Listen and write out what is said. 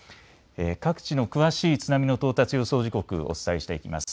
各地の詳しい津波の到達予想時刻、お伝えしていきます。